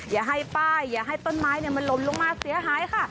อย่าให้ป้ายอย่าให้ต้นไม้มันล้มลงมาเสียหายค่ะ